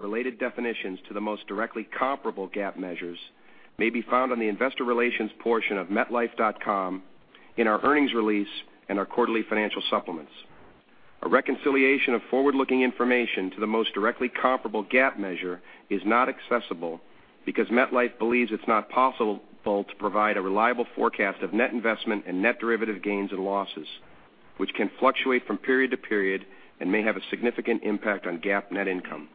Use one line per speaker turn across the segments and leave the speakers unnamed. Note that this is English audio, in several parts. Related definitions to the most directly comparable GAAP measures may be found on the investor relations portion of metlife.com in our earnings release and our quarterly financial supplements. A reconciliation of forward-looking information to the most directly comparable GAAP measure is not accessible because MetLife believes it's not possible to provide a reliable forecast of net investment and net derivative gains and losses, which can fluctuate from period to period and may have a significant impact on GAAP net income.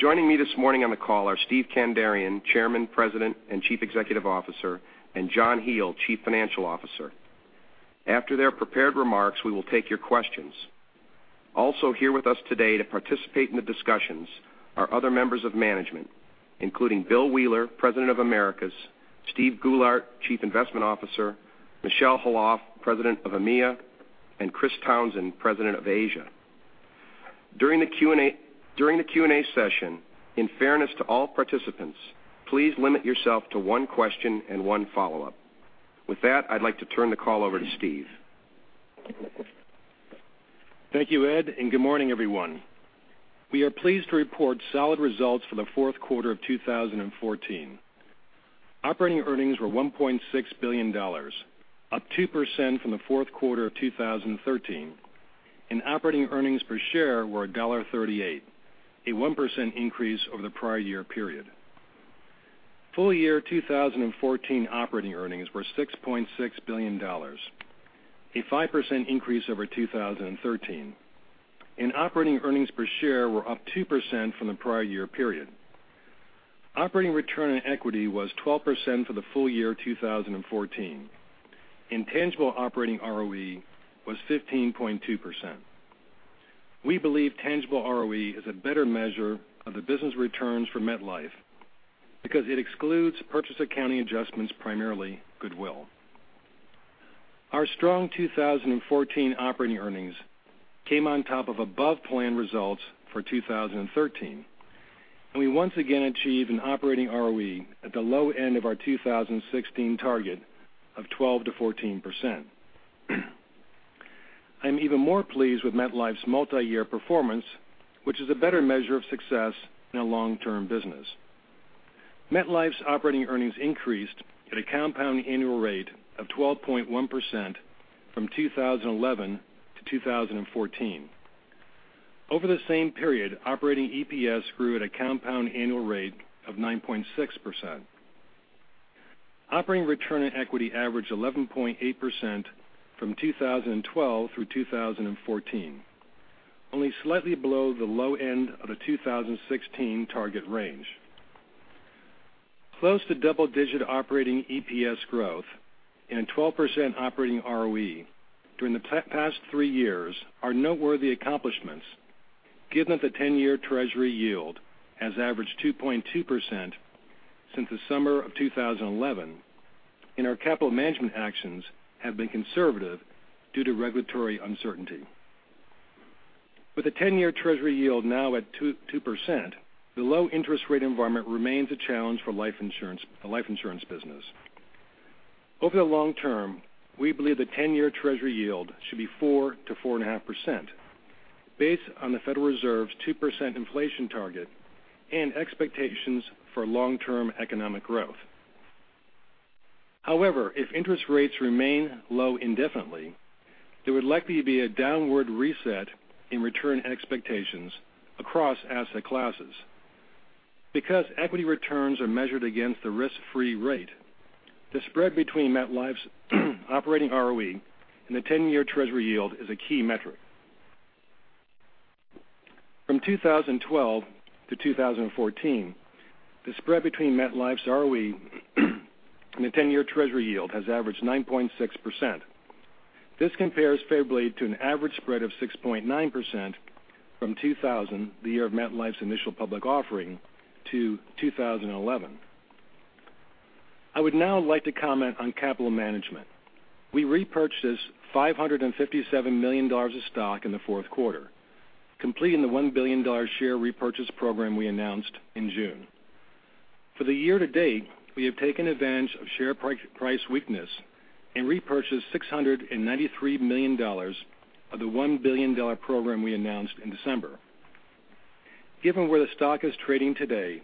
Joining me this morning on the call are Steven Kandarian, Chairman, President, and Chief Executive Officer, and John Hele, Chief Financial Officer. After their prepared remarks, we will take your questions. Also here with us today to participate in the discussions are other members of management, including Bill Wheeler, President of Americas, Steven Goulart, Chief Investment Officer, Michel Khalaf, President of EMEA, and Christopher Townsend, President of Asia. During the Q&A session, in fairness to all participants, please limit yourself to one question and one follow-up. I'd like to turn the call over to Steve.
Thank you, Ed, good morning, everyone. We are pleased to report solid results for the fourth quarter of 2014. Operating earnings were $1.6 billion, up 2% from the fourth quarter of 2013, and operating earnings per share were $1.38, a 1% increase over the prior year period. Full year 2014 operating earnings were $6.6 billion, a 5% increase over 2013, and operating earnings per share were up 2% from the prior year period. Operating return on equity was 12% for the full year 2014, and tangible operating ROE was 15.2%. We believe tangible ROE is a better measure of the business returns for MetLife because it excludes purchase accounting adjustments, primarily goodwill. Our strong 2014 operating earnings came on top of above-plan results for 2013, and we once again achieved an operating ROE at the low end of our 2016 target of 12%-14%. I'm even more pleased with MetLife's multi-year performance, which is a better measure of success in a long-term business. MetLife's operating earnings increased at a compound annual rate of 12.1% from 2011 to 2014. Over the same period, operating EPS grew at a compound annual rate of 9.6%. Operating return on equity averaged 11.8% from 2012 through 2014, only slightly below the low end of the 2016 target range. Close to double-digit operating EPS growth and 12% operating ROE during the past three years are noteworthy accomplishments given that the 10-year Treasury yield has averaged 2.2% since the summer of 2011, and our capital management actions have been conservative due to regulatory uncertainty. The 10-year Treasury yield now at 2%, the low interest rate environment remains a challenge for the life insurance business. Over the long term, we believe the 10-year Treasury yield should be 4% to 4.5%, based on the Federal Reserve's 2% inflation target and expectations for long-term economic growth. However, if interest rates remain low indefinitely, there would likely be a downward reset in return expectations across asset classes. Because equity returns are measured against the risk-free rate, the spread between MetLife's operating ROE and the 10-year Treasury yield is a key metric. From 2012 to 2014, the spread between MetLife's ROE and the 10-year Treasury yield has averaged 9.6%. This compares favorably to an average spread of 6.9% from 2000, the year of MetLife's initial public offering, to 2011. I would now like to comment on capital management. We repurchased $557 million of stock in the fourth quarter, completing the $1 billion share repurchase program we announced in June. For the year to date, we have taken advantage of share price weakness and repurchased $693 million of the $1 billion program we announced in December. Given where the stock is trading today,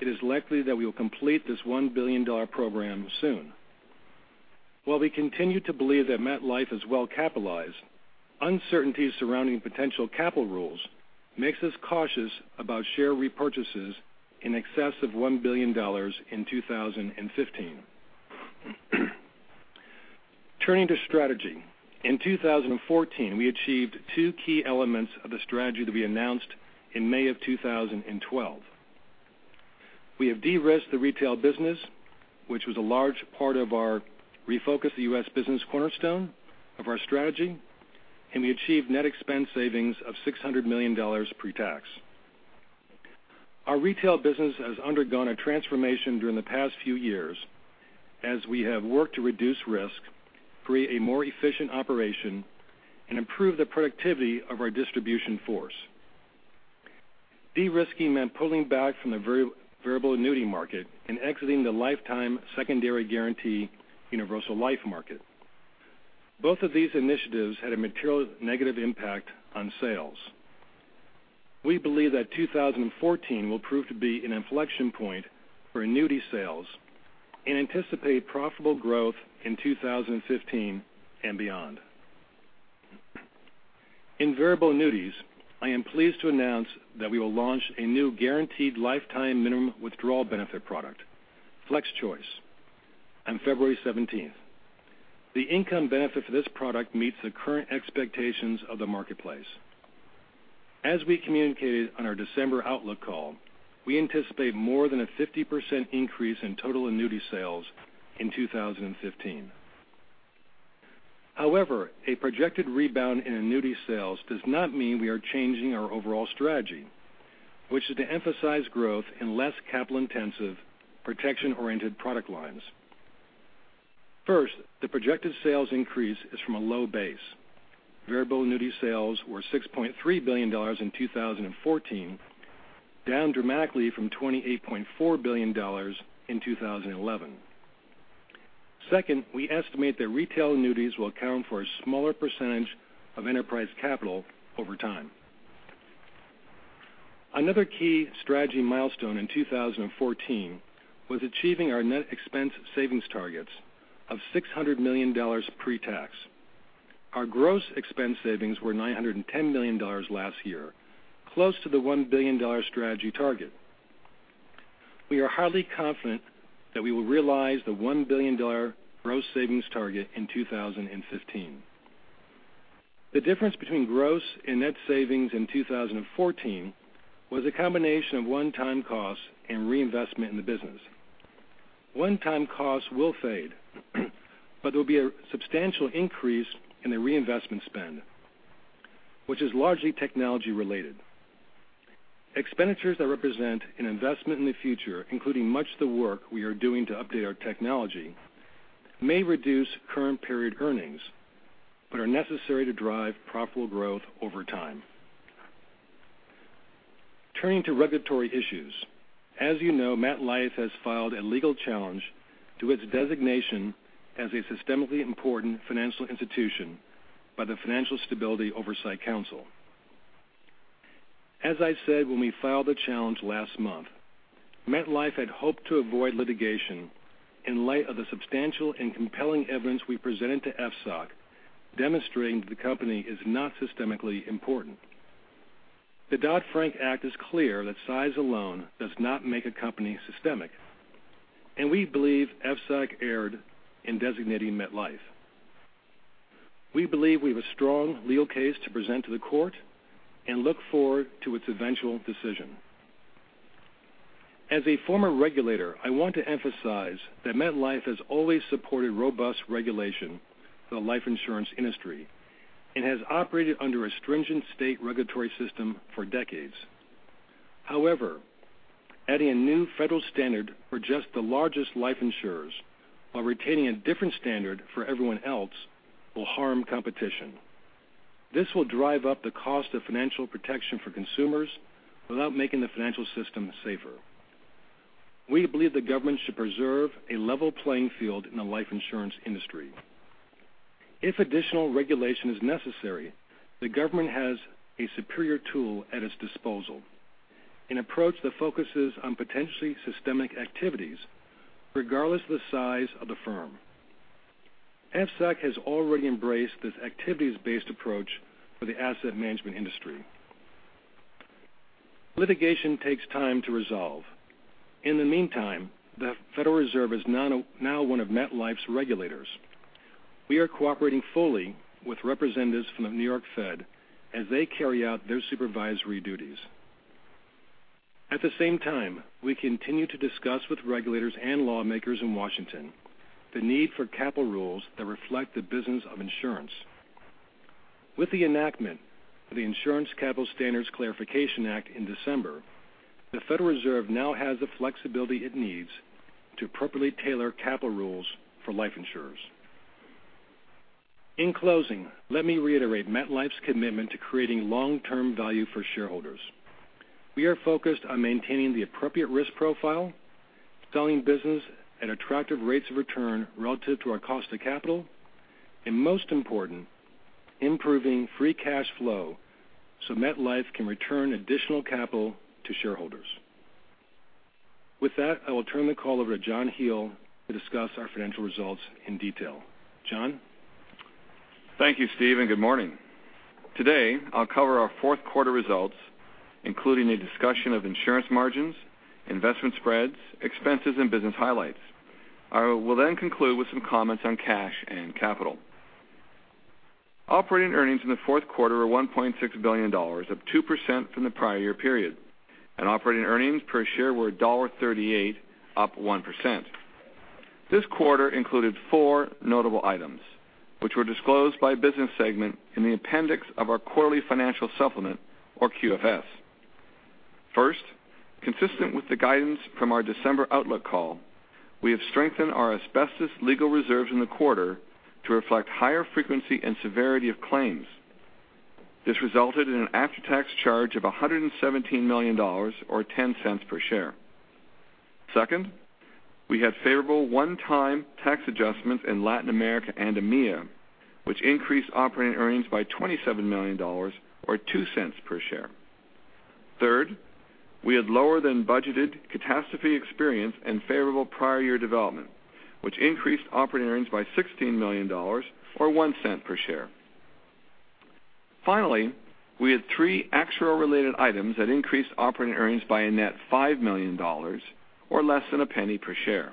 it is likely that we will complete this $1 billion program soon. While we continue to believe that MetLife is well-capitalized, uncertainties surrounding potential capital rules makes us cautious about share repurchases in excess of $1 billion in 2015. Turning to strategy, in 2014, we achieved two key elements of the strategy that we announced in May of 2012. We have de-risked the retail business, which was a large part of our refocus the U.S. business cornerstone of our strategy, and we achieved net expense savings of $600 million pre-tax. Our retail business has undergone a transformation during the past few years as we have worked to reduce risk, create a more efficient operation, and improve the productivity of our distribution force. De-risking meant pulling back from the variable annuity market and exiting the lifetime secondary guarantee universal life market. Both of these initiatives had a material negative impact on sales. We believe that 2014 will prove to be an inflection point for annuity sales and anticipate profitable growth in 2015 and beyond. In variable annuities, I am pleased to announce that we will launch a new guaranteed lifetime minimum withdrawal benefit product, FlexChoice, on February 17th. The income benefit for this product meets the current expectations of the marketplace. As we communicated on our December outlook call, we anticipate more than a 50% increase in total annuity sales in 2015. A projected rebound in annuity sales does not mean we are changing our overall strategy, which is to emphasize growth in less capital-intensive, protection-oriented product lines. First, the projected sales increase is from a low base. Variable annuity sales were $6.3 billion in 2014, down dramatically from $28.4 billion in 2011. Second, we estimate that retail annuities will account for a smaller percentage of enterprise capital over time. Another key strategy milestone in 2014 was achieving our net expense savings targets of $600 million pre-tax. Our gross expense savings were $910 million last year, close to the $1 billion strategy target. We are highly confident that we will realize the $1 billion gross savings target in 2015. The difference between gross and net savings in 2014 was a combination of one-time costs and reinvestment in the business. One-time costs will fade, but there will be a substantial increase in the reinvestment spend, which is largely technology related. Expenditures that represent an investment in the future, including much of the work we are doing to update our technology, may reduce current period earnings, but are necessary to drive profitable growth over time. Turning to regulatory issues. As you know, MetLife has filed a legal challenge to its designation as a systemically important financial institution by the Financial Stability Oversight Council. As I said when we filed the challenge last month, MetLife had hoped to avoid litigation in light of the substantial and compelling evidence we presented to FSOC demonstrating that the company is not systemically important. The Dodd-Frank Act is clear that size alone does not make a company systemic, we believe FSOC erred in designating MetLife. We believe we have a strong legal case to present to the court and look forward to its eventual decision. As a former regulator, I want to emphasize that MetLife has always supported robust regulation for the life insurance industry and has operated under a stringent state regulatory system for decades. Adding a new federal standard for just the largest life insurers while retaining a different standard for everyone else will harm competition. This will drive up the cost of financial protection for consumers without making the financial system safer. We believe the government should preserve a level playing field in the life insurance industry. If additional regulation is necessary, the government has a superior tool at its disposal, an approach that focuses on potentially systemic activities regardless of the size of the firm. FSOC has already embraced this activities-based approach for the asset management industry. Litigation takes time to resolve. In the meantime, the Federal Reserve is now one of MetLife's regulators. We are cooperating fully with representatives from the New York Fed as they carry out their supervisory duties. At the same time, we continue to discuss with regulators and lawmakers in Washington the need for capital rules that reflect the business of insurance. With the enactment of the Insurance Capital Standards Clarification Act in December, the Federal Reserve now has the flexibility it needs to appropriately tailor capital rules for life insurers. In closing, let me reiterate MetLife's commitment to creating long-term value for shareholders. We are focused on maintaining the appropriate risk profile, selling business at attractive rates of return relative to our cost of capital, and most important, improving free cash flow so MetLife can return additional capital to shareholders. With that, I will turn the call over to John Hele to discuss our financial results in detail. John?
Thank you, Steve, and good morning. Today, I'll cover our fourth quarter results, including a discussion of insurance margins, investment spreads, expenses, and business highlights. I will then conclude with some comments on cash and capital. Operating earnings in the fourth quarter were $1.6 billion, up 2% from the prior year period, and operating earnings per share were $1.38, up 1%. This quarter included four notable items, which were disclosed by business segment in the appendix of our quarterly financial supplement, or QFS. First, consistent with the guidance from our December outlook call, we have strengthened our asbestos legal reserves in the quarter to reflect higher frequency and severity of claims. This resulted in an after-tax charge of $117 million, or $0.10 per share. Second, we had favorable one-time tax adjustments in Latin America and EMEA, which increased operating earnings by $27 million, or $0.02 per share. Third, we had lower than budgeted catastrophe experience and favorable prior year development, which increased operating earnings by $16 million, or $0.01 per share. Finally, we had three actuarial related items that increased operating earnings by a net $5 million, or less than $0.01 per share.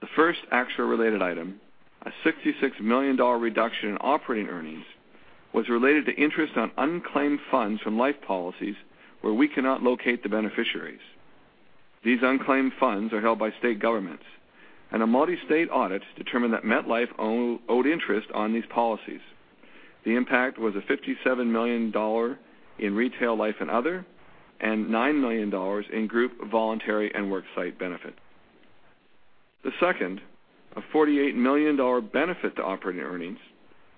The first actuarial related item, a $66 million reduction in operating earnings, was related to interest on unclaimed funds from life policies where we cannot locate the beneficiaries. These unclaimed funds are held by state governments, and a multi-state audit determined that MetLife owed interest on these policies. The impact was $57 million in Retail Life & Other, and $9 million in Group Voluntary and Worksite Benefits. The second, a $48 million benefit to operating earnings,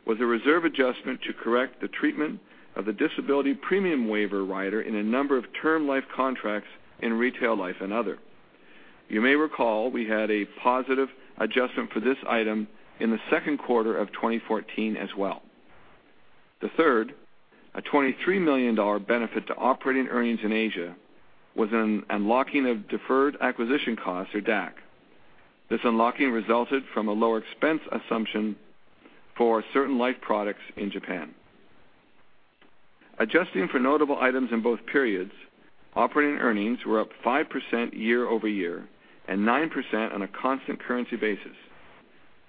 was a reserve adjustment to correct the treatment of the disability premium waiver rider in a number of term life contracts in Retail Life & Other. You may recall we had a positive adjustment for this item in the second quarter of 2014 as well. The third, a $23 million benefit to operating earnings in Asia, was an unlocking of deferred acquisition costs, or DAC. This unlocking resulted from a lower expense assumption for certain life products in Japan. Adjusting for notable items in both periods, operating earnings were up 5% year-over-year, and 9% on a constant currency basis.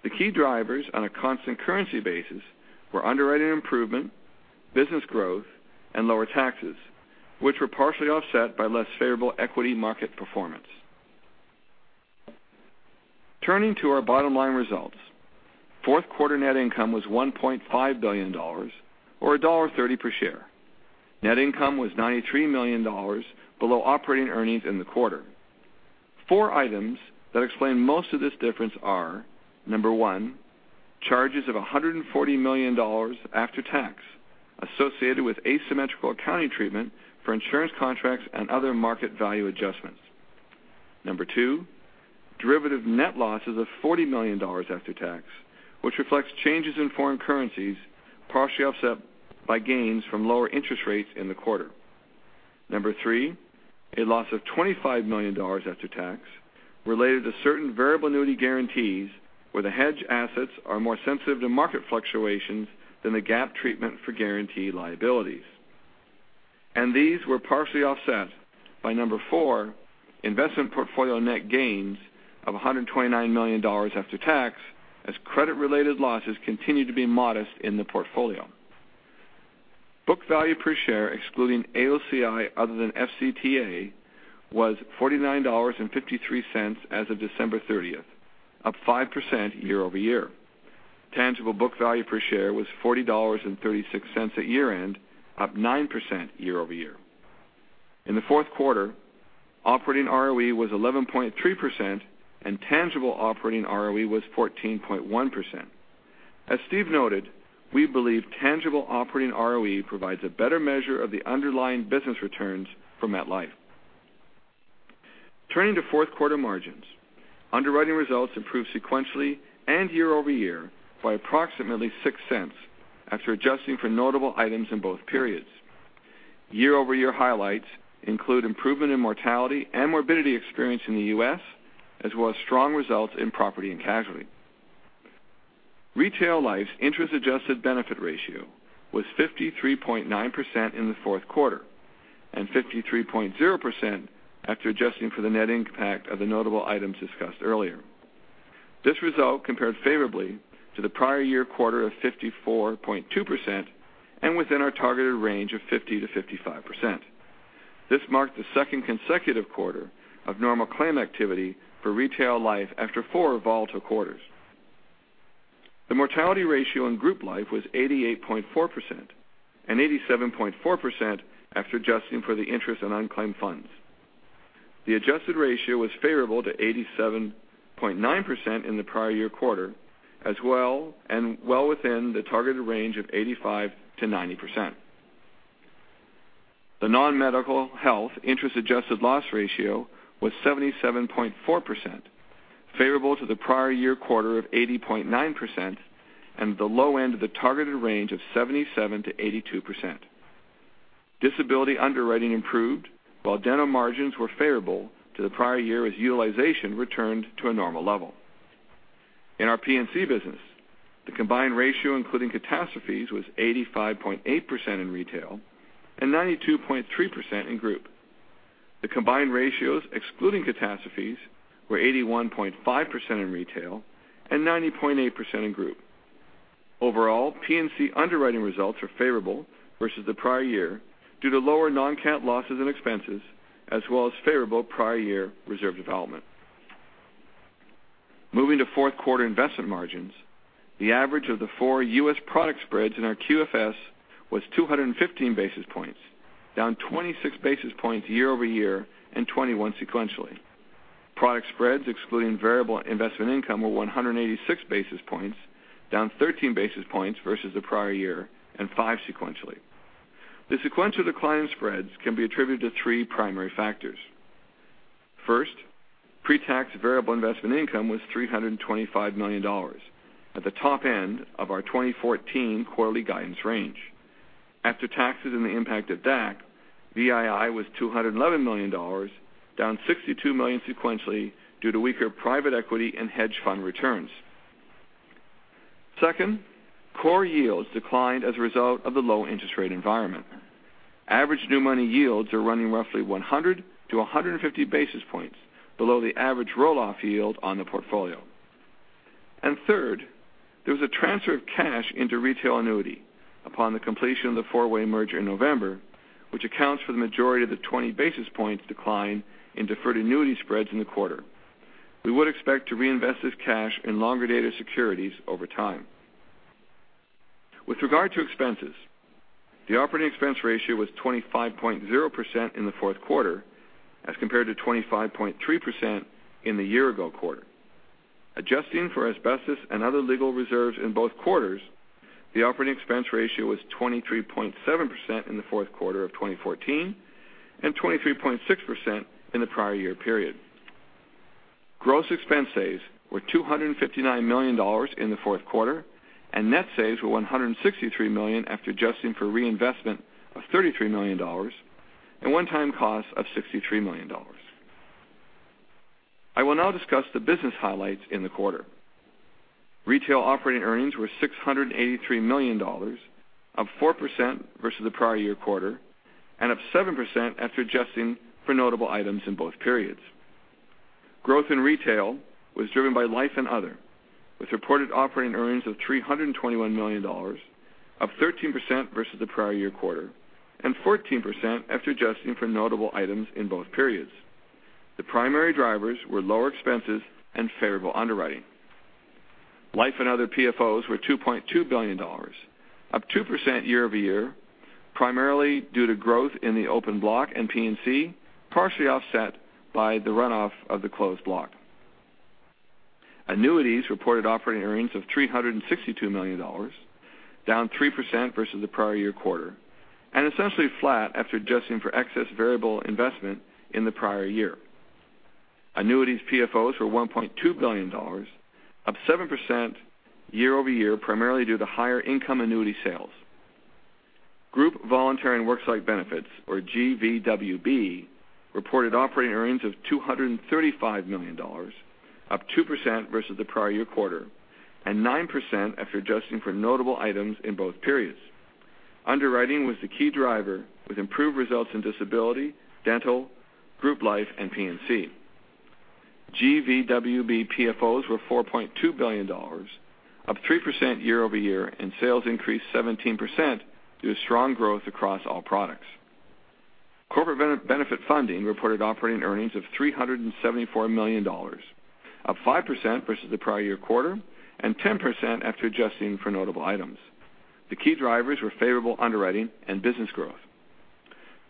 The key drivers on a constant currency basis were underwriting improvement, business growth, and lower taxes, which were partially offset by less favorable equity market performance. Turning to our bottom line results, fourth quarter net income was $1.5 billion, or $1.30 per share. Net income was $93 million below operating earnings in the quarter. Four items that explain most of this difference are, number one, charges of $140 million after tax associated with asymmetrical accounting treatment for insurance contracts and other market value adjustments. Number two, derivative net losses of $40 million after tax, which reflects changes in foreign currencies, partially offset by gains from lower interest rates in the quarter. Number three, a loss of $25 million after tax related to certain variable annuities guarantees where the hedge assets are more sensitive to market fluctuations than the GAAP treatment for guarantee liabilities. These were partially offset by, number four, investment portfolio net gains of $129 million after tax, as credit related losses continued to be modest in the portfolio. Book value per share, excluding AOCI other than FCTA, was $49.53 as of December 30th, up 5% year-over-year. Tangible book value per share was $40.36 at year-end, up 9% year-over-year. In the fourth quarter, operating ROE was 11.3% and tangible operating ROE was 14.1%. As Steve noted, we believe tangible operating ROE provides a better measure of the underlying business returns for MetLife. Turning to fourth quarter margins, underwriting results improved sequentially and year-over-year by approximately $0.06 after adjusting for notable items in both periods. Year-over-year highlights include improvement in mortality and morbidity experience in the U.S., as well as strong results in property and casualty. Retail Life's interest adjusted benefit ratio was 53.9% in the fourth quarter, and 53.0% after adjusting for the net impact of the notable items discussed earlier. This result compared favorably to the prior year quarter of 54.2% and within our targeted range of 50%-55%. This marked the second consecutive quarter of normal claim activity for Retail Life after four volatile quarters. The mortality ratio in Group Life was 88.4%, and 87.4% after adjusting for the interest in unclaimed funds. The adjusted ratio was favorable to 87.9% in the prior year quarter, and well within the targeted range of 85%-90%. The non-medical health interest adjusted loss ratio was 77.4%, favorable to the prior year quarter of 80.9% and at the low end of the targeted range of 77%-82%. Disability underwriting improved while dental margins were favorable to the prior year, as utilization returned to a normal level. In our P&C business, the combined ratio, including catastrophes, was 85.8% in Retail and 92.3% in Group. The combined ratios, excluding catastrophes, were 81.5% in Retail and 90.8% in Group. Overall, P&C underwriting results are favorable versus the prior year due to lower non-cat losses and expenses, as well as favorable prior year reserve development. Moving to fourth quarter investment margins, the average of the four U.S. product spreads in our QFS was 215 basis points, down 26 basis points year-over-year and 21 sequentially. Product spreads excluding variable investment income were 186 basis points, down 13 basis points versus the prior year and five sequentially. The sequential decline in spreads can be attributed to three primary factors. First, pretax variable investment income was $325 million, at the top end of our 2014 quarterly guidance range. After taxes and the impact of DAC, VII was $211 million, down $62 million sequentially due to weaker private equity and hedge fund returns. Second, core yields declined as a result of the low interest rate environment. Average new money yields are running roughly 100-150 basis points below the average roll-off yield on the portfolio. Third, there was a transfer of cash into retail annuity upon the completion of the four-way merger in November, which accounts for the majority of the 20 basis points decline in deferred annuity spreads in the quarter. We would expect to reinvest this cash in longer-dated securities over time. With regard to expenses, the operating expense ratio was 25.0% in the fourth quarter, as compared to 25.3% in the year-ago quarter. Adjusting for asbestos and other legal reserves in both quarters, the operating expense ratio was 23.7% in the fourth quarter of 2014 and 23.6% in the prior year period. Gross expense saves were $259 million in the fourth quarter. Net saves were $163 million after adjusting for reinvestment of $33 million and one-time costs of $63 million. I will now discuss the business highlights in the quarter. Retail operating earnings were $683 million, up 4% versus the prior year quarter, up 7% after adjusting for notable items in both periods. Growth in retail was driven by Life and Other, with reported operating earnings of $321 million, up 13% versus the prior year quarter, 14% after adjusting for notable items in both periods. The primary drivers were lower expenses and favorable underwriting. Life and Other PFOs were $2.2 billion, up 2% year-over-year, primarily due to growth in the open block and P&C, partially offset by the runoff of the closed block. Annuities reported operating earnings of $362 million, down 3% versus the prior year quarter, essentially flat after adjusting for excess variable investment in the prior year. Annuities PFOs were $1.2 billion, up 7% year-over-year, primarily due to higher income annuity sales. Group Voluntary and Worksite Benefits, or GVWB, reported operating earnings of $235 million, up 2% versus the prior year quarter, 9% after adjusting for notable items in both periods. Underwriting was the key driver with improved results in disability, dental, group life, and P&C. GVWB PFOs were $4.2 billion, up 3% year-over-year. Sales increased 17% due to strong growth across all products. Corporate Benefit Funding reported operating earnings of $374 million, up 5% versus the prior year quarter, 10% after adjusting for notable items. The key drivers were favorable underwriting and business growth.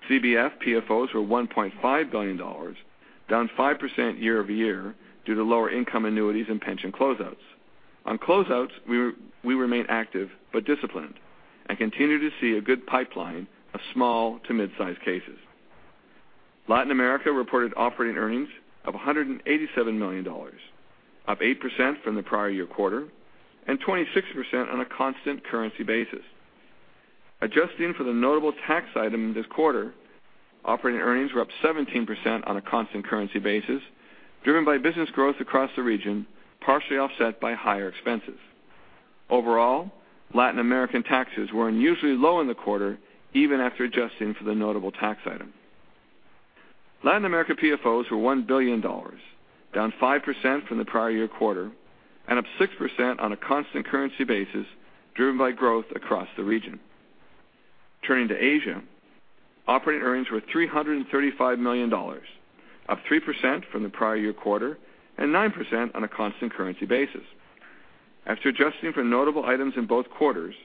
CBF PFOs were $1.5 billion, down 5% year-over-year due to lower income annuities and pension closeouts. On closeouts, we remain active but disciplined and continue to see a good pipeline of small to midsize cases. Latin America reported operating earnings of $187 million, up 8% from the prior year quarter, 26% on a constant currency basis. Adjusting for the notable tax item in this quarter, operating earnings were up 17% on a constant currency basis, driven by business growth across the region, partially offset by higher expenses. Overall, Latin American taxes were unusually low in the quarter, even after adjusting for the notable tax item. Latin America PFOs were $1 billion, down 5% from the prior year quarter, up 6% on a constant currency basis, driven by growth across the region. Turning to Asia, operating earnings were $335 million, up 3% from the prior year quarter, 9% on a constant currency basis. After adjusting for notable items in both quarters,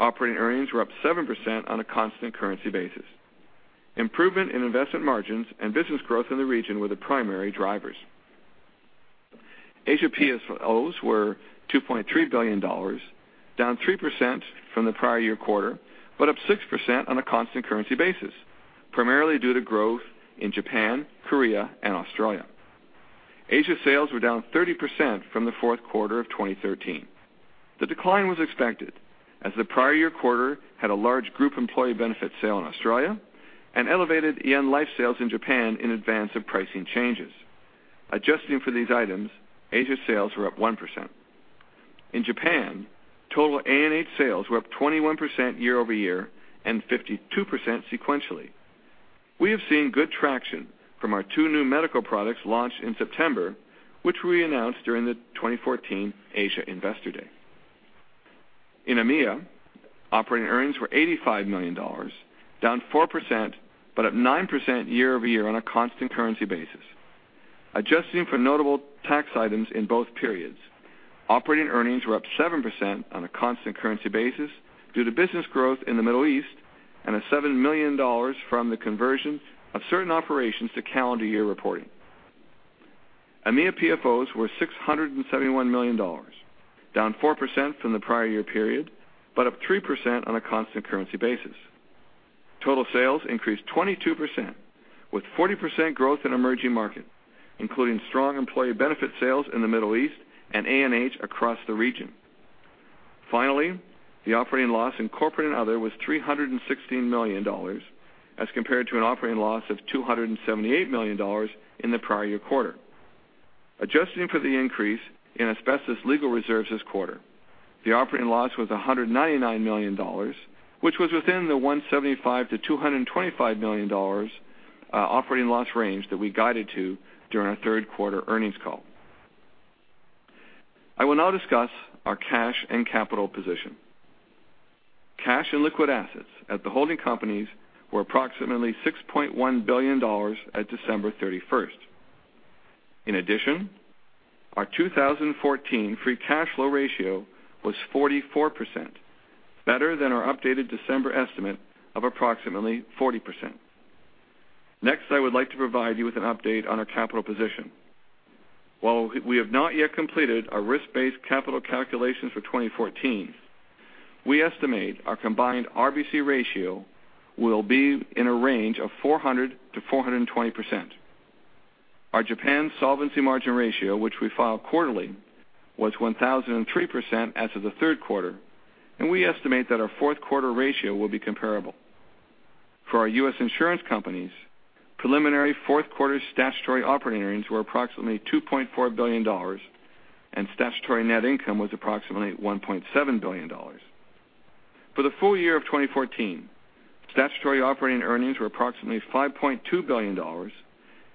operating earnings were up 7% on a constant currency basis. Improvement in investment margins and business growth in the region were the primary drivers. Asia PFOs were $2.3 billion, down 3% from the prior year quarter, up 6% on a constant currency basis, primarily due to growth in Japan, Korea, and Australia. Asia sales were down 30% from the fourth quarter of 2013. The decline was expected as the prior year quarter had a large group employee benefit sale in Australia, elevated yen life sales in Japan in advance of pricing changes. Adjusting for these items, Asia sales were up 1%. In Japan, total A&H sales were up 21% year-over-year, 52% sequentially. We have seen good traction from our two new medical products launched in September, which we announced during the 2014 Asia Investor Day. In EMEA, operating earnings were $85 million, down 4%, but up 9% year-over-year on a constant currency basis. Adjusting for notable tax items in both periods, operating earnings were up 7% on a constant currency basis due to business growth in the Middle East and a $7 million from the conversion of certain operations to calendar year reporting. EMEA PFOs were $671 million, down 4% from the prior year period, but up 3% on a constant currency basis. Total sales increased 22%, with 40% growth in emerging markets, including strong employee benefit sales in the Middle East and A&H across the region. The operating loss in corporate and other was $316 million as compared to an operating loss of $278 million in the prior year quarter. Adjusting for the increase in asbestos legal reserves this quarter, the operating loss was $199 million, which was within the $175 million-$225 million operating loss range that we guided to during our third quarter earnings call. I will now discuss our cash and capital position. Cash and liquid assets at the holding companies were approximately $6.1 billion at December 31st. In addition, our 2014 free cash flow ratio was 44%, better than our updated December estimate of approximately 40%. Next, I would like to provide you with an update on our capital position. While we have not yet completed our risk-based capital calculations for 2014, we estimate our combined RBC ratio will be in a range of 400%-420%. Our Japan solvency margin ratio, which we file quarterly, was 1003% as of the third quarter, and we estimate that our fourth quarter ratio will be comparable. For our U.S. insurance companies, preliminary fourth quarter statutory operating earnings were approximately $2.4 billion, and statutory net income was approximately $1.7 billion. For the full year of 2014, statutory operating earnings were approximately $5.2 billion,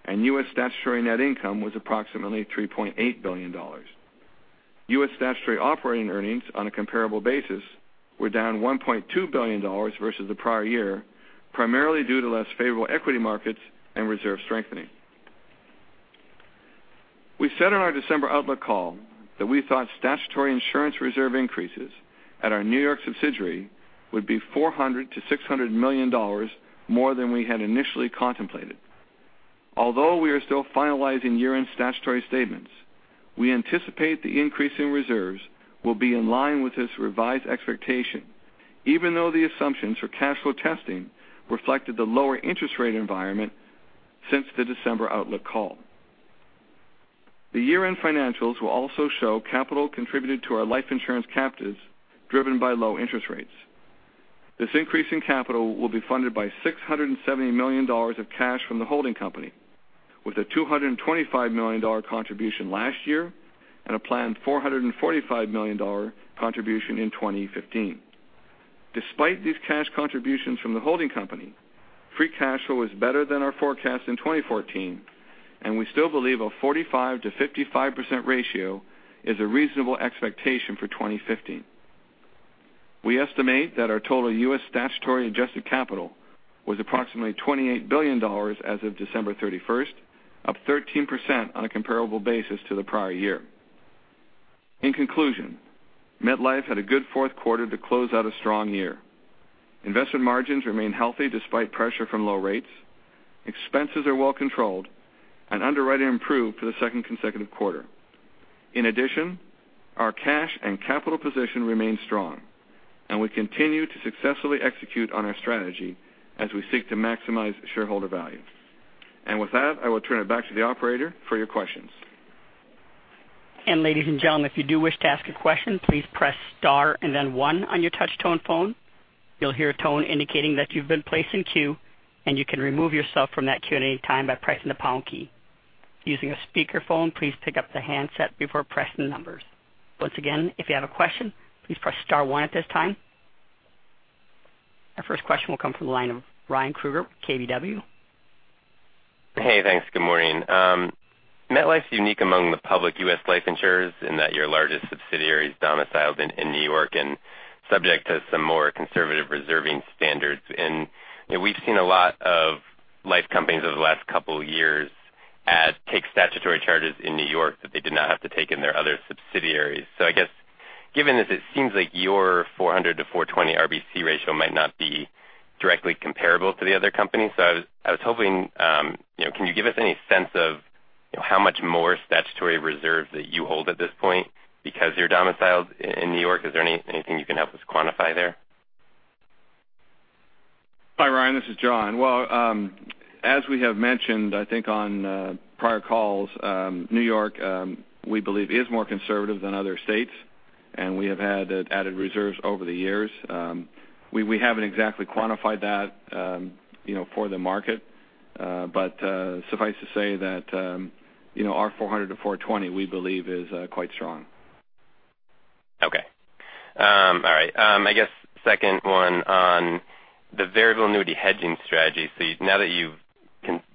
and U.S. statutory net income was approximately $3.8 billion. U.S. statutory operating earnings on a comparable basis were down $1.2 billion versus the prior year, primarily due to less favorable equity markets and reserve strengthening. We said on our December outlook call that we thought statutory insurance reserve increases at our New York subsidiary would be $400 million-$600 million more than we had initially contemplated. We are still finalizing year-end statutory statements, we anticipate the increase in reserves will be in line with this revised expectation, even though the assumptions for cash flow testing reflected the lower interest rate environment since the December outlook call. The year-end financials will also show capital contributed to our life insurance captives driven by low interest rates. This increase in capital will be funded by $670 million of cash from the holding company with a $225 million contribution last year and a planned $445 million contribution in 2015. Despite these cash contributions from the holding company, free cash flow is better than our forecast in 2014, and we still believe a 45%-55% ratio is a reasonable expectation for 2015. We estimate that our total U.S. statutory adjusted capital was approximately $28 billion as of December 31st, up 13% on a comparable basis to the prior year. In conclusion, MetLife had a good fourth quarter to close out a strong year. Investment margins remain healthy despite pressure from low rates. Expenses are well controlled, and underwriting improved for the second consecutive quarter. In addition, our cash and capital position remains strong, and we continue to successfully execute on our strategy as we seek to maximize shareholder value. With that, I will turn it back to the operator for your questions.
Ladies and gentlemen, if you do wish to ask a question, please press star and then one on your touch tone phone. You'll hear a tone indicating that you've been placed in queue, and you can remove yourself from that queue at any time by pressing the pound key. Using a speakerphone, please pick up the handset before pressing the numbers. Once again, if you have a question, please press star one at this time. Our first question will come from the line of Ryan Krueger, KBW.
Thanks. Good morning. MetLife's unique among the public U.S. life insurers in that your largest subsidiary is domiciled in New York and subject to some more conservative reserving standards. We've seen a lot of life companies over the last couple of years take statutory charges in New York that they did not have to take in their other subsidiaries. I guess, given this, it seems like your 400 to 420 RBC ratio might not be directly comparable to the other companies. I was hoping, can you give us any sense of how much more statutory reserves that you hold at this point because you're domiciled in New York? Is there anything you can help us quantify there?
Hi, Ryan. This is John. As we have mentioned, I think on prior calls, New York we believe is more conservative than other states, we have had added reserves over the years. We haven't exactly quantified that for the market, but suffice to say that our 400 to 420, we believe is quite strong.
Okay. All right. I guess second one on the variable annuity hedging strategy. Now that you've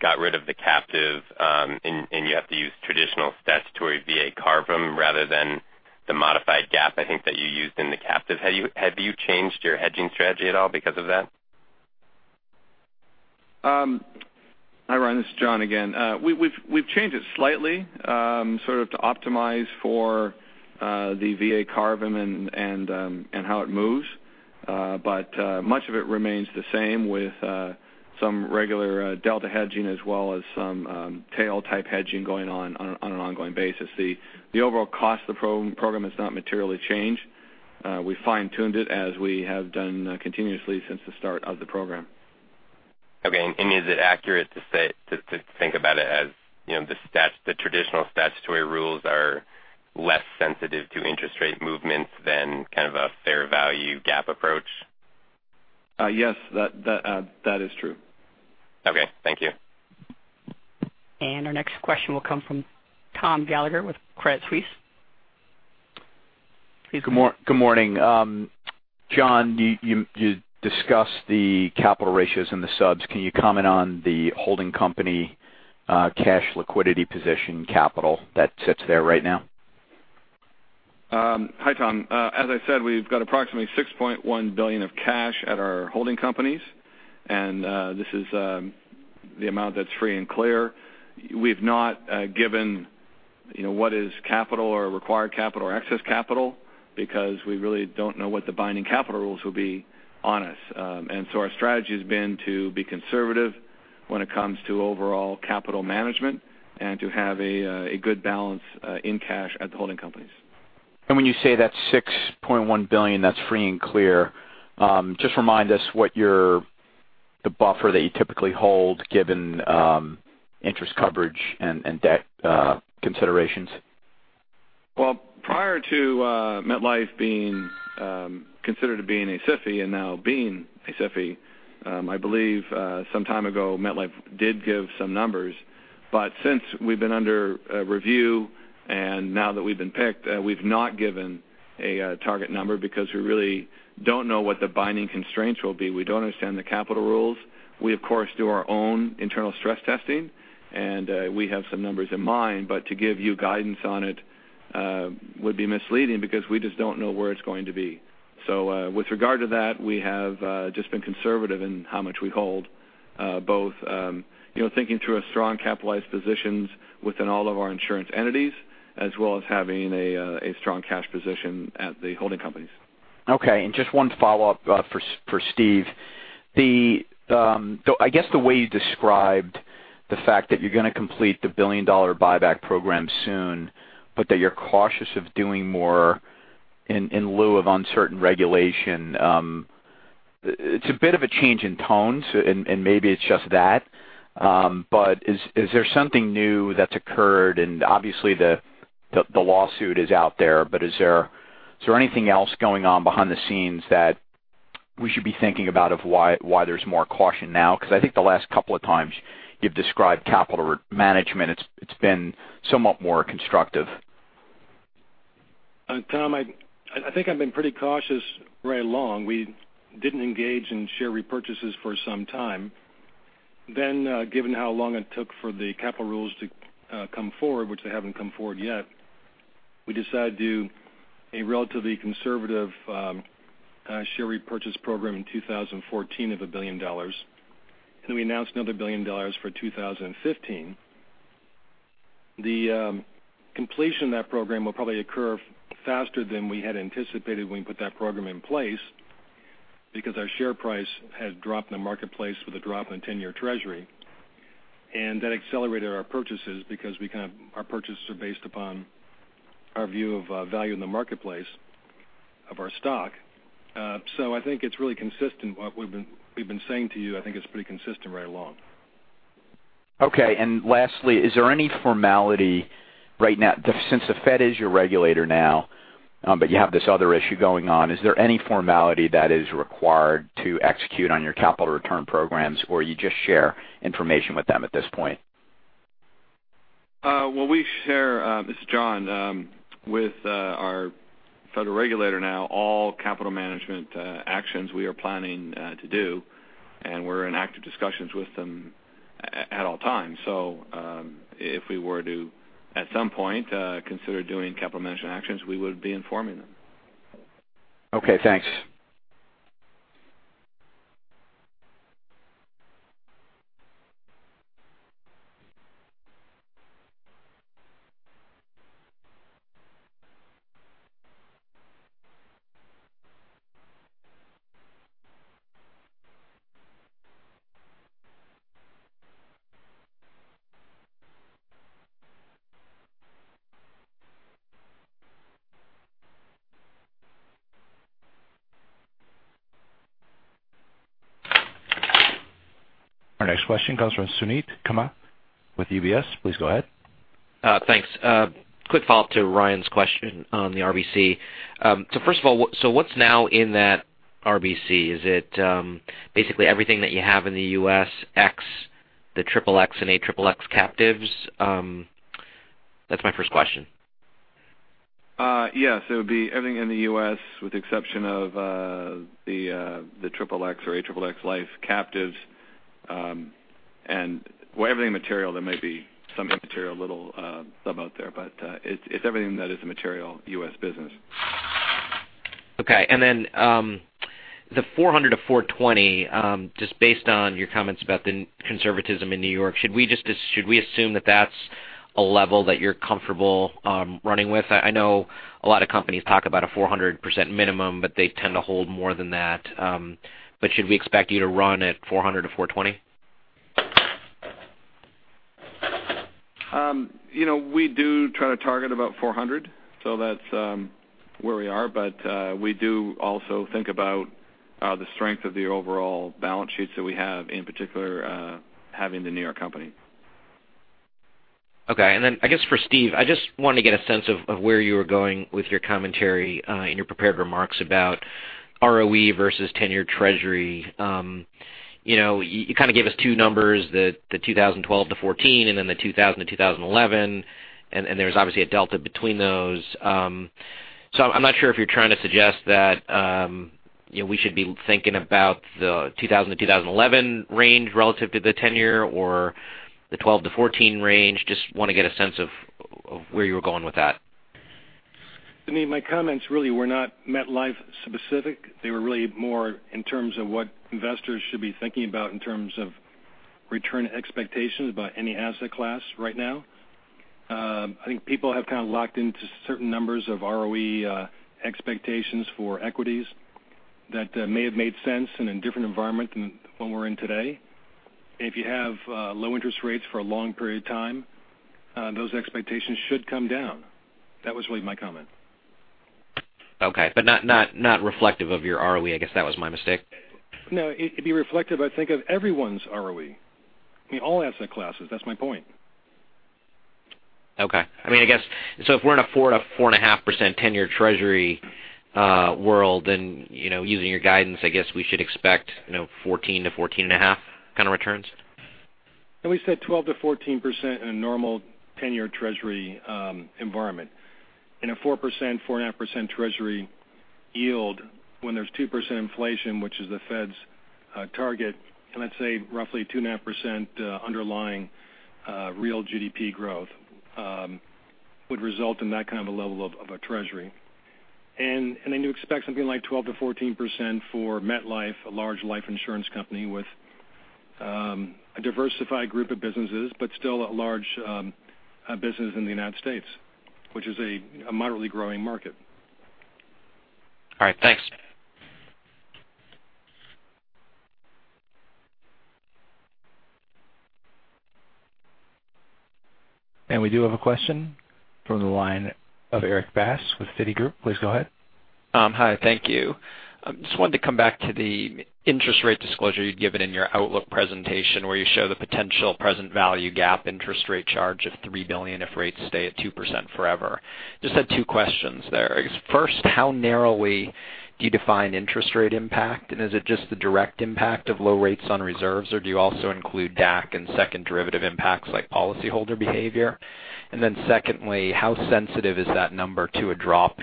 got rid of the captive and you have to use traditional statutory VA CARVM them rather than the modified GAAP, I think that you used in the captive, have you changed your hedging strategy at all because of that?
Hi, Ryan. This is John again. We've changed it slightly to optimize for the VA CARVM and how it moves. Much of it remains the same with some regular delta hedging as well as some tail type hedging going on an ongoing basis. The overall cost of the program has not materially changed. We fine-tuned it as we have done continuously since the start of the program.
Okay. Is it accurate to think about it as the traditional statutory rules are less sensitive to interest rate movements than kind of a fair value GAAP approach?
Yes. That is true.
Okay. Thank you.
Our next question will come from Thomas Gallagher with Credit Suisse. Please go ahead.
Good morning. John, you discussed the capital ratios in the subs. Can you comment on the holding company cash liquidity position capital that sits there right now?
Hi, Tom. As I said, we've got approximately $6.1 billion of cash at our holding companies, and this is the amount that's free and clear. We've not given what is capital or required capital or excess capital because we really don't know what the binding capital rules will be on us. So our strategy has been to be conservative when it comes to overall capital management and to have a good balance in cash at the holding companies.
When you say that $6.1 billion, that's free and clear, just remind us what the buffer that you typically hold, given interest coverage and debt considerations?
Well, prior to MetLife being considered being a SIFI and now being a SIFI, I believe some time ago MetLife did give some numbers, but since we've been under review and now that we've been picked, we've not given a target number because we really don't know what the binding constraints will be. We don't understand the capital rules. We of course do our own internal stress testing and we have some numbers in mind, but to give you guidance on it would be misleading because we just don't know where it's going to be. With regard to that, we have just been conservative in how much we hold both thinking through a strong capitalized positions within all of our insurance entities, as well as having a strong cash position at the holding companies.
Okay, just one follow-up for Steve. I guess the way you described the fact that you're going to complete the billion-dollar buyback program soon, but that you're cautious of doing more in lieu of uncertain regulation, it's a bit of a change in tone, maybe it's just that. Is there something new that's occurred? Obviously the lawsuit is out there, but is there anything else going on behind the scenes that we should be thinking about of why there's more caution now? I think the last couple of times you've described capital management, it's been somewhat more constructive.
Tom, I think I've been pretty cautious very long. We didn't engage in share repurchases for some time. Given how long it took for the capital rules to come forward, which they haven't come forward yet, we decided to do a relatively conservative share repurchase program in 2014 of $1 billion, and we announced another $1 billion for 2015. The completion of that program will probably occur faster than we had anticipated when we put that program in place because our share price has dropped in the marketplace with a drop in 10-year Treasury. That accelerated our purchases because our purchases are based upon our view of value in the marketplace of our stock. I think it's really consistent what we've been saying to you. I think it's pretty consistent right along.
Okay. Lastly, since the Fed is your regulator now, but you have this other issue going on, is there any formality that is required to execute on your capital return programs, or you just share information with them at this point?
Well, we share, this is John, with our federal regulator now, all capital management actions we are planning to do, and we're in active discussions with them at all times. If we were to, at some point, consider doing capital management actions, we would be informing them.
Okay, thanks.
Our next question comes from Suneet Kamath with UBS. Please go ahead.
Thanks. Quick follow-up to Ryan's question on the RBC. First of all, what's now in that RBC? Is it basically everything that you have in the U.S., X, the triple X and A triple X captives? That's my first question.
Yes, it would be everything in the U.S. with the exception of the triple X or A triple X life captives. Well, everything material, there might be some immaterial little sub out there, but it's everything that is a material U.S. business.
Okay. The 400%-420%, just based on your comments about the conservatism in New York, should we assume that that's a level that you're comfortable running with? I know a lot of companies talk about a 400% minimum, but they tend to hold more than that. Should we expect you to run at 400%-420%?
We do try to target about 400%. That's where we are. We do also think about the strength of the overall balance sheets that we have, in particular, having the New York Company.
Okay. I guess for Steve, I just wanted to get a sense of where you were going with your commentary in your prepared remarks about ROE versus ten-year Treasury. You kind of gave us two numbers, the 2012 to 2014 and then the 2000 to 2011, there's obviously a delta between those. I'm not sure if you're trying to suggest that we should be thinking about the 2000 to 2011 range relative to the ten-year or the 2012 to 2014 range. Just want to get a sense of where you were going with that.
I mean, my comments really were not MetLife specific. They were really more in terms of what investors should be thinking about in terms of return expectations by any asset class right now. I think people have kind of locked into certain numbers of ROE expectations for equities that may have made sense in a different environment than the one we're in today. If you have low interest rates for a long period of time, those expectations should come down. That was really my comment.
Okay. Not reflective of your ROE, I guess that was my mistake.
No, it'd be reflective, I think, of everyone's ROE. I mean, all asset classes. That's my point.
Okay. I mean, I guess, if we're in a 4%-4.5% ten-year Treasury world, using your guidance, I guess we should expect 14%-14.5% kind of returns?
We said 12%-14% in a normal ten-year Treasury environment. In a 4%-4.5% Treasury yield when there's 2% inflation, which is the Fed's target, let's say roughly 2.5% underlying real GDP growth would result in that kind of a level of a Treasury. You expect something like 12%-14% for MetLife, a large life insurance company with a diversified group of businesses, but still a large business in the U.S., which is a moderately growing market.
All right. Thanks.
We do have a question from the line of Erik Bass with Citigroup. Please go ahead.
Hi, thank you. I just wanted to come back to the interest rate disclosure you'd given in your outlook presentation where you show the potential present value GAAP interest rate charge of $3 billion if rates stay at 2% forever. Just had two questions there. I guess first, how narrowly do you define interest rate impact? Is it just the direct impact of low rates on reserves, or do you also include DAC and second derivative impacts like policy holder behavior? Secondly, how sensitive is that number to a drop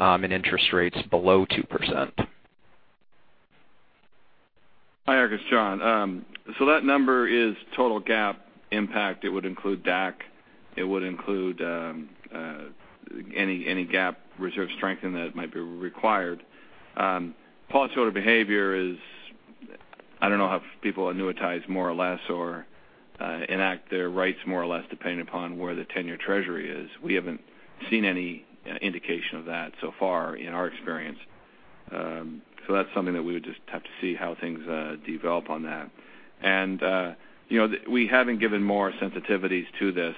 in interest rates below 2%?
Hi, Erik. It's John. That number is total GAAP impact. It would include DAC. It would include any GAAP reserve strengthening that might be required. Policy holder behavior is, I don't know how people annuitize more or less or enact their rights more or less depending upon where the ten-year Treasury is. We haven't seen any indication of that so far in our experience. That's something that we would just have to see how things develop on that. We haven't given more sensitivities to this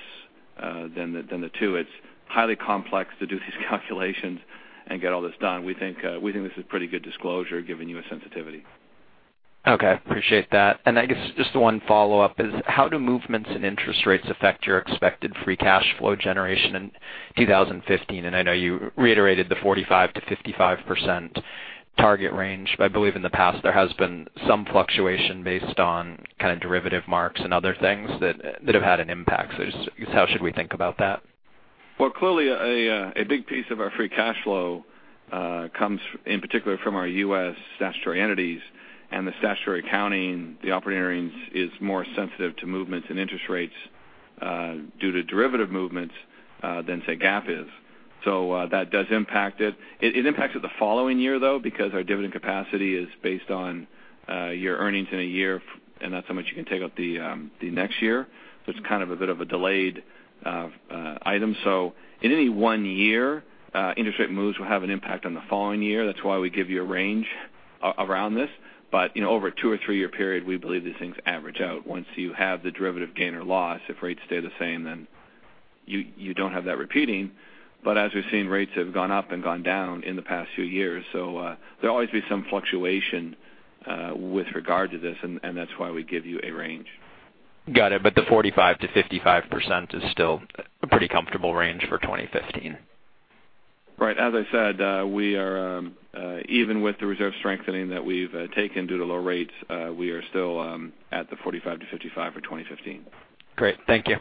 than the two. It's highly complex to do these calculations and get all this done. We think this is pretty good disclosure, giving you a sensitivity.
Okay. Appreciate that. I guess just the one follow-up is how do movements in interest rates affect your expected free cash flow generation in 2015? I know you reiterated the 45%-55% target range, but I believe in the past there has been some fluctuation based on kind of derivative marks and other things that have had an impact. Just how should we think about that?
Well, clearly a big piece of our free cash flow comes in particular from our U.S. statutory entities and the statutory accounting, the operating earnings is more sensitive to movements in interest rates due to derivative movements than, say, GAAP is. That does impact it. It impacts it the following year, though, because our dividend capacity is based on your earnings in a year, and that's how much you can take out the next year. It's kind of a bit of a delayed item. In any one year, interest rate moves will have an impact on the following year. That's why we give you a range around this. Over a two- or three-year period, we believe these things average out. Once you have the derivative gain or loss, if rates stay the same, then you don't have that repeating. As we've seen, rates have gone up and gone down in the past few years. There'll always be some fluctuation with regard to this, and that's why we give you a range.
Got it. The 45%-55% is still a pretty comfortable range for 2015.
Right. As I said, even with the reserve strengthening that we've taken due to low rates, we are still at the 45%-55% for 2015.
Great. Thank you.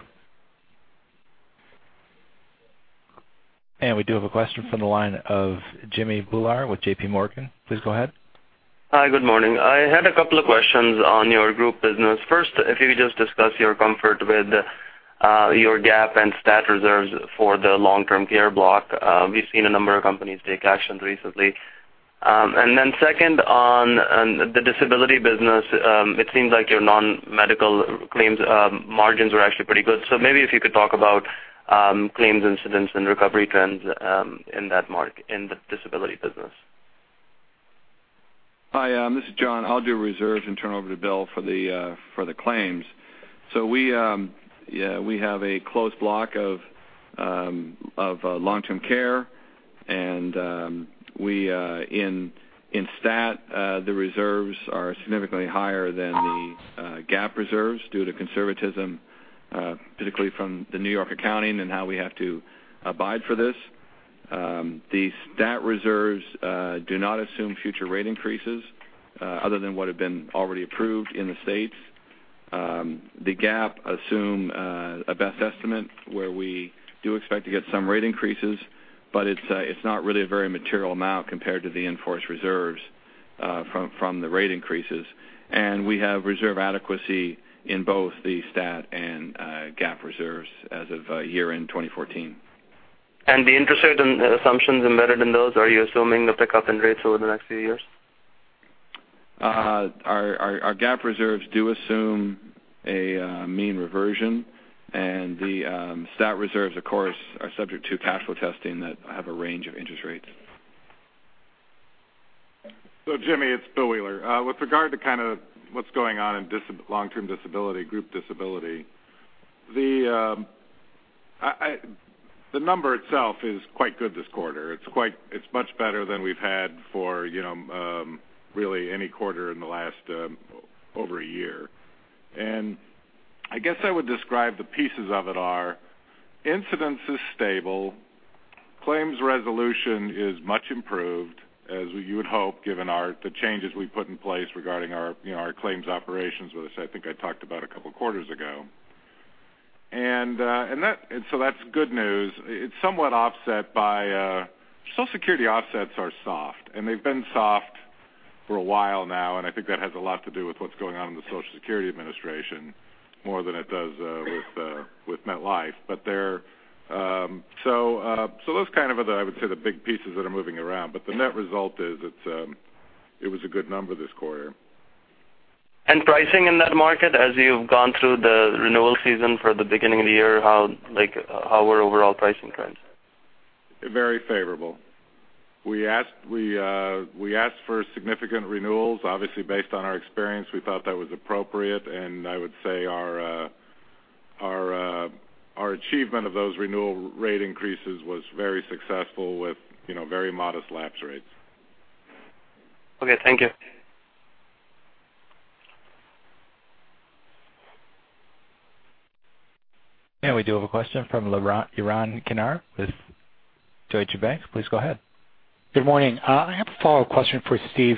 We do have a question from the line of Jimmy Bhullar with J.P. Morgan. Please go ahead.
Hi, good morning. I had a couple of questions on your group business. First, if you could just discuss your comfort with your GAAP and stat reserves for the long-term care block. We've seen a number of companies take action recently. Second on the disability business, it seems like your non-medical claims margins are actually pretty good. Maybe if you could talk about claims incidence and recovery trends in the disability business.
Hi, this is John. I'll do reserves and turn over to Bill for the claims. We have a close block of long-term care, and in stat, the reserves are significantly higher than the GAAP reserves due to conservatism, particularly from the New York accounting and how we have to abide for this. The stat reserves do not assume future rate increases other than what have been already approved in the states. The GAAP assume a best estimate where we do expect to get some rate increases, but it's not really a very material amount compared to the in-force reserves from the rate increases. We have reserve adequacy in both the stat and GAAP reserves as of year-end 2014.
The interest rate assumptions embedded in those, are you assuming a pickup in rates over the next few years?
Our GAAP reserves do assume a mean reversion, and the stat reserves, of course, are subject to cash flow testing that have a range of interest rates.
Jimmy, it's Bill Wheeler. With regard to what's going on in long-term disability, group disability, the number itself is quite good this quarter. It's much better than we've had for really any quarter in the last over a year. I guess I would describe the pieces of it are, incidence is stable, claims resolution is much improved, as you would hope, given the changes we've put in place regarding our claims operations, which I think I talked about a couple of quarters ago. That's good news. It's somewhat offset by Social Security offsets are soft, and they've been soft for a while now, and I think that has a lot to do with what's going on in the Social Security Administration more than it does with MetLife. Those are, I would say, the big pieces that are moving around. The net result is it was a good number this quarter.
Pricing in that market, as you've gone through the renewal season for the beginning of the year, how were overall pricing trends?
Very favorable. We asked for significant renewals. Obviously, based on our experience, we thought that was appropriate. I would say our achievement of those renewal rate increases was very successful with very modest lapse rates.
Okay, thank you.
We do have a question from Yaron Kinar with Deutsche Bank. Please go ahead.
Good morning. I have a follow-up question for Steve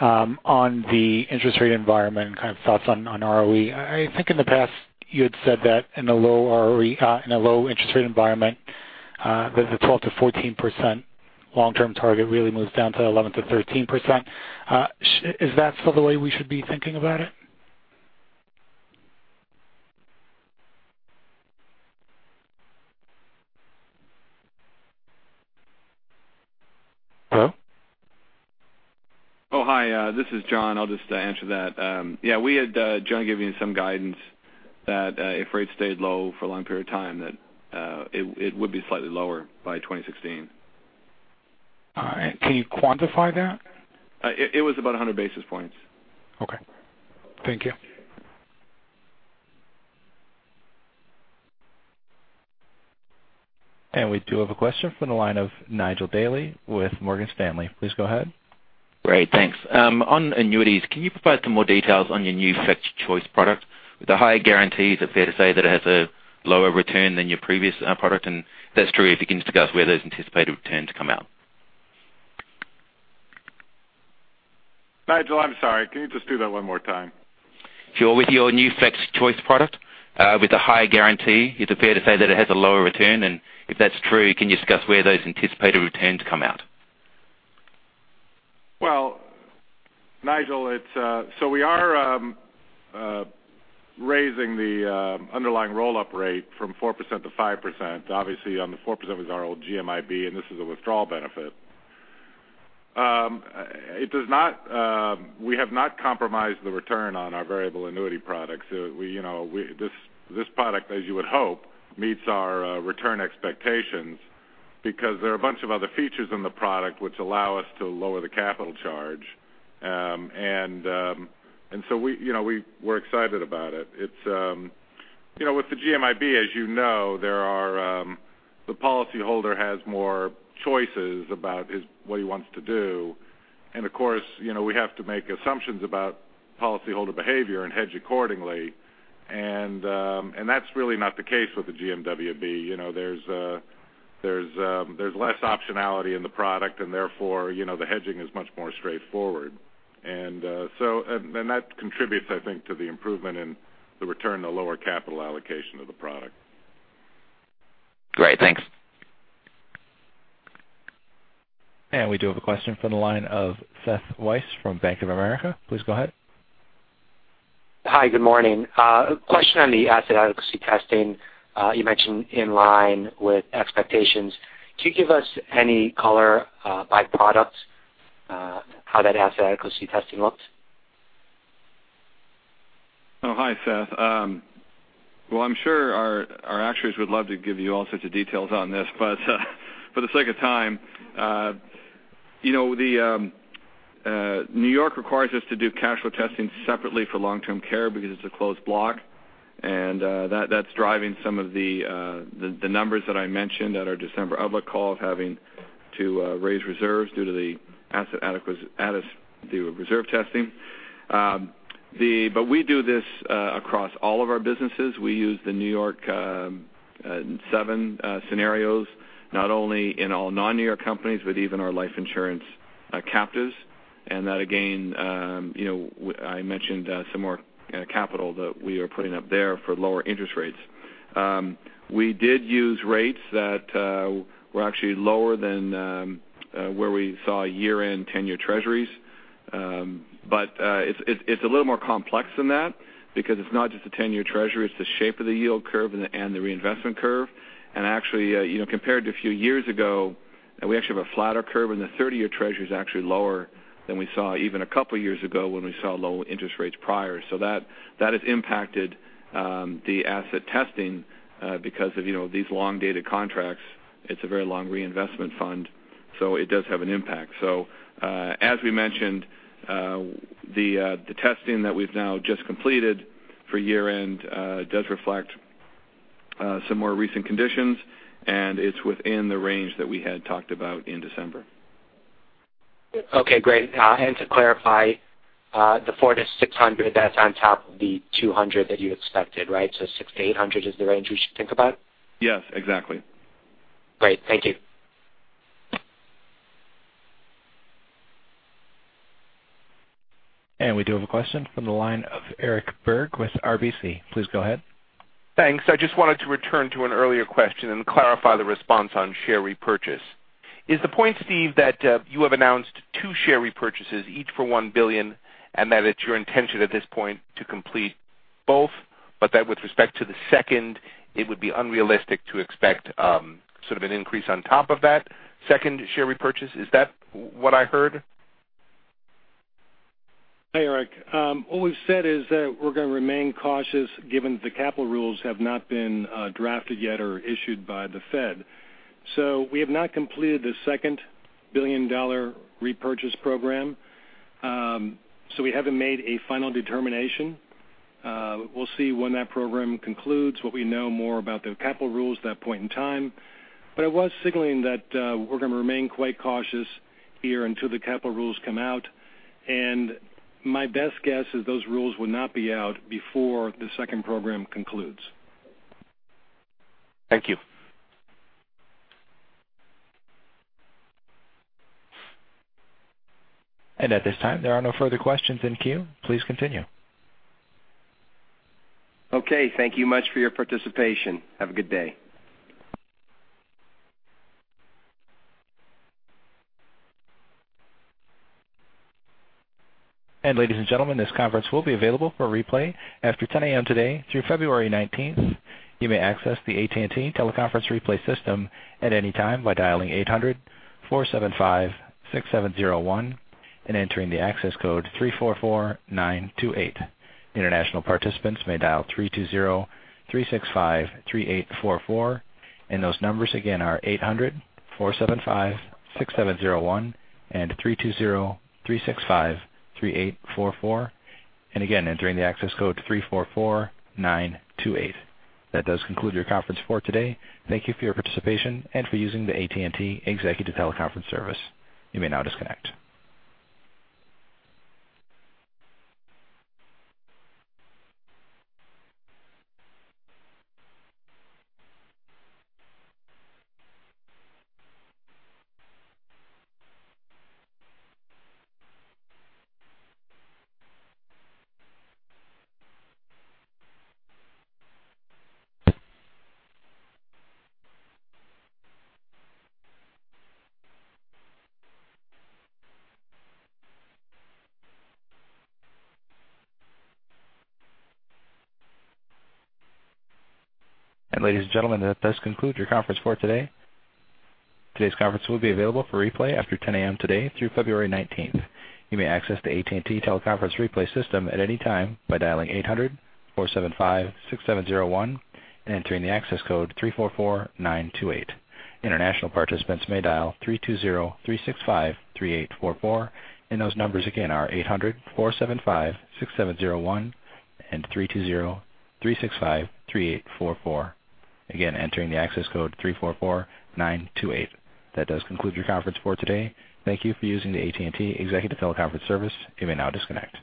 on the interest rate environment and kind of thoughts on ROE. I think in the past you had said that in a low interest rate environment, that the 12%-14% long-term target really moves down to 11%-13%. Is that still the way we should be thinking about it?
Hello?
Oh, hi, this is John. I'll just answer that. Yeah, we had John giving some guidance that if rates stayed low for a long period of time, that it would be slightly lower by 2016.
All right. Can you quantify that?
It was about 100 basis points.
Okay. Thank you.
We do have a question from the line of Nigel Dally with Morgan Stanley. Please go ahead.
Great. Thanks. On annuities, can you provide some more details on your new FlexChoice product? With the higher guarantees, is it fair to say that it has a lower return than your previous product, and if that's true, if you can discuss where those anticipated returns come out?
Nigel, I'm sorry, can you just do that one more time?
Sure. With your new FlexChoice product with a higher guarantee, is it fair to say that it has a lower return, and if that's true, can you discuss where those anticipated returns come out?
Well, Nigel, we are raising the underlying roll-up rate from 4% to 5%. Obviously, on the 4% was our old GMIB, this is a withdrawal benefit. We have not compromised the return on our variable annuity products. This product, as you would hope, meets our return expectations because there are a bunch of other features in the product which allow us to lower the capital charge. We're excited about it. With the GMIB, as you know, the policyholder has more choices about what he wants to do. Of course, we have to make assumptions about policyholder behavior and hedge accordingly. That's really not the case with the GMWB. There's less optionality in the product, therefore, the hedging is much more straightforward. That contributes, I think, to the improvement in the return, the lower capital allocation of the product.
Great. Thanks.
We do have a question from the line of Seth Weiss from Bank of America. Please go ahead.
Hi. Good morning. A question on the asset adequacy testing. You mentioned in line with expectations. Can you give us any color by product, how that asset adequacy testing looked?
Oh, hi, Seth. Well, I'm sure our actuaries would love to give you all sorts of details on this, but for the sake of time, N.Y. requires us to do cash flow testing separately for long-term care because it's a closed block. That's driving some of the numbers that I mentioned at our December outlook call of having to raise reserves due to the asset adequacy reserve testing. We do this across all of our businesses. We use the N.Y. seven scenarios, not only in all non-N.Y. companies, but even our life insurance captives. That, again, I mentioned some more capital that we are putting up there for lower interest rates. We did use rates that were actually lower than where we saw year-end 10-year treasuries. It's a little more complex than that because it's not just the 10-year Treasury, it's the shape of the yield curve and the reinvestment curve. Actually, compared to a few years ago, we actually have a flatter curve, and the 30-year treasury is actually lower than we saw even a couple of years ago when we saw low interest rates prior. That has impacted the asset testing because of these long-dated contracts. It's a very long reinvestment fund, so it does have an impact. As we mentioned, the testing that we've now just completed for year-end does reflect some more recent conditions, and it's within the range that we had talked about in December.
Okay, great. To clarify, the $400-$600, that's on top of the $200 that you expected. Right? Six to eight hundred is the range we should think about?
Yes, exactly.
Great. Thank you.
We do have a question from the line of Eric Berg with RBC. Please go ahead.
Thanks. I just wanted to return to an earlier question and clarify the response on share repurchase. Is the point, Steve, that you have announced two share repurchases each for $1 billion and that it's your intention at this point to complete both, but that with respect to the second, it would be unrealistic to expect sort of an increase on top of that second share repurchase? Is that what I heard?
Hey, Eric. What we've said is that we're going to remain cautious given the capital rules have not been drafted yet or issued by the Fed. We have not completed the second billion-dollar repurchase program. We haven't made a final determination. We'll see when that program concludes, what we know more about the capital rules at that point in time. I was signaling that we're going to remain quite cautious here until the capital rules come out. My best guess is those rules will not be out before the second program concludes.
Thank you.
At this time, there are no further questions in queue. Please continue.
Okay, thank you much for your participation. Have a good day.
Ladies and gentlemen, this conference will be available for replay after 10:00 A.M. today through February 19th. You may access the AT&T teleconference replay system at any time by dialing 800-475-6701 and entering the access code 344928. International participants may dial 320-365-3844, and those numbers again are 800-475-6701 and 320-365-3844, and again, entering the access code 344928. That does conclude your conference for today. Thank you for your participation and for using the AT&T Executive Teleconference Service. You may now disconnect. Ladies and gentlemen, that does conclude your conference for today. Today's conference will be available for replay after 10:00 A.M. today through February 19th. You may access the AT&T teleconference replay system at any time by dialing 800-475-6701 and entering the access code 344928. International participants may dial 320-365-3844, and those numbers again are 800-475-6701 and 320-365-3844. Again, entering the access code 344928. That does conclude your conference for today. Thank you for using the AT&T Executive Teleconference Service. You may now disconnect.